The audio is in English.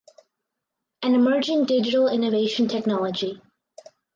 An emerging digital innovation technology.